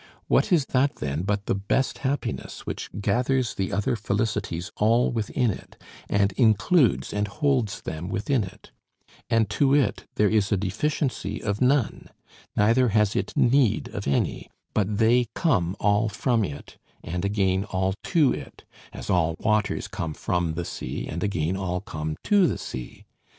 What is that then but the best happiness, which gathers the other felicities all within it, and includes and holds them within it; and to it there is a deficiency of none, neither has it need of any, but they come all from it and again all to it, as all waters come from the sea and again all come to the sea?